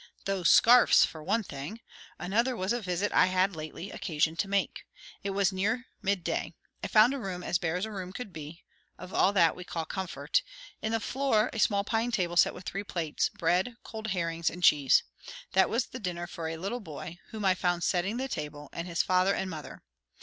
"Those scarfs, for one thing. Another thing was a visit I had lately occasion to make. It was near midday. I found a room as bare as a room could be, of all that we call comfort; in the floor a small pine table set with three plates, bread, cold herrings, and cheese. That was the dinner for a little boy, whom I found setting the table, and his father and mother.